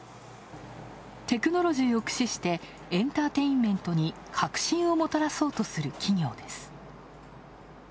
テクノロジーを駆使して、エンターテインメントに革新をもたらそうとする企業です。